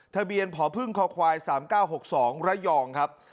ทะเบียนผพึ่งคควาย๓๙๖๒ระยองครับ